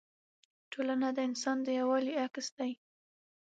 ټولنه د انسان د یووالي عکس دی.